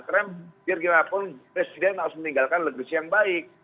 karena tidak kira apapun presiden harus meninggalkan legisi yang baik